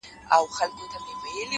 صبر د بریا پخېدل ګړندي کوي,